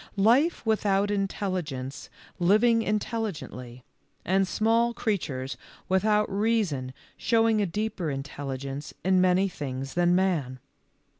Life without intelligence living intelligently, and small creatures without reason showing a deeper intelligence in many things than man.